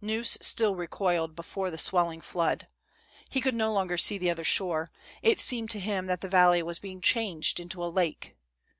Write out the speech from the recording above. Gneuss still recoiled before the swelling flood. He could no longer see the other shore ; it seemed to him that the valley was being changed into a lake.